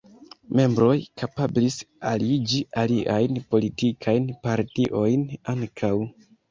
Membroj kapablis aliĝi aliajn politikajn partiojn ankaŭ.